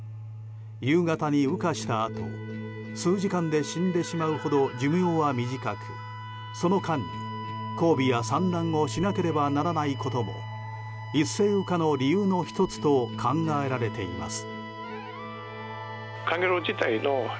夕方に羽化したあと数時間で死んでしまうほど寿命は短く、その間に交尾や産卵をしなければならないことも一斉羽化の理由の１つと考えられています。